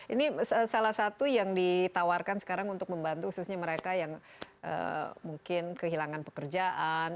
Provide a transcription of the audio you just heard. ini salah satu yang ditawarkan sekarang untuk membantu khususnya mereka yang mungkin kehilangan pekerjaan